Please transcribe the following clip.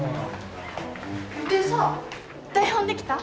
でさ台本出来た？